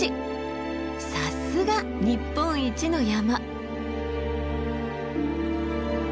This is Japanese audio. さすが日本一の山！